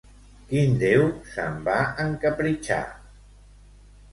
Quin déu se'n va encapritxar?